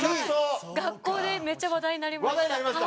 学校でめっちゃ話題になりました。